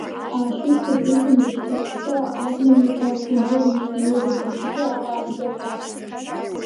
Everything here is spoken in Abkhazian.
Аашьышьк аӡыжәымгәа шьҭарссы, абна мҩахәасҭа ианыланы ишнеиуаз, абгахәыҷы аҟаабжь аҳаит.